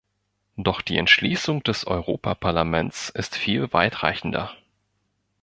Doch die Entschließung des Europa-Parlaments ist viel weitreichender.